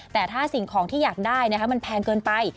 แต่ถ้าสิ่งของที่อยากได้มันแพงเกินไป